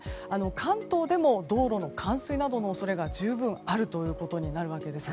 関東でも道路の冠水などの恐れが十分あるということになるわけです。